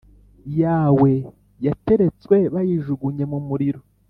Yawe yateretswe bayijugunye mu muriro